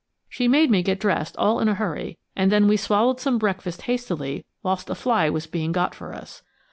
She made me get dressed all in a hurry, and then we swallowed some breakfast hastily whilst a fly was being got for us.